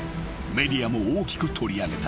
メディアも大きく取り上げた］